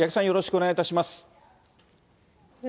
よろしくお願いします。